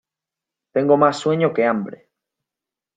Tengo más sueño que hambre.